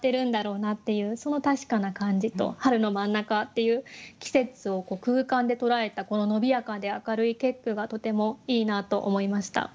その確かな感じと「春の真ん中」っていう季節を空間で捉えたこの伸びやかで明るい結句がとてもいいなと思いました。